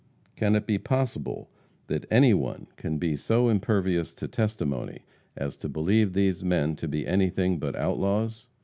Can it be possible that any one can be so impervious to testimony as to believe these men to be anything but outlaws?